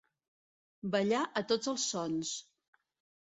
Ballar a tots els sons.